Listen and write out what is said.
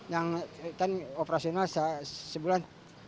yang kan operasional sebulan tiga ratus tujuh puluh lima